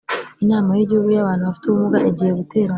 Inama y’ Igihugu y ‘Abantu bafite ubumuga igiye guterana